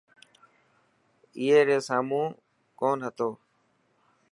اي ري سامون ڪون هتو.